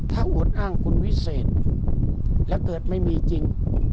ถ้าอวดอ้างคุณวิเศษแล้วเกิดไม่มีจริง